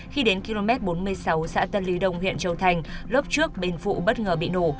khi đến km bốn mươi sáu xã tân lý đông huyện châu thành lớp trước bên phụ bất ngờ bị nổ